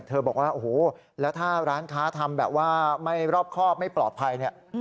แถมว่าแล้วถ้าร้านค้าทำไม่รอบครอบไม่ปลอดภัย